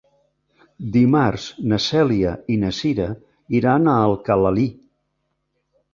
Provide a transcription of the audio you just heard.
Dimarts na Cèlia i na Cira iran a Alcalalí.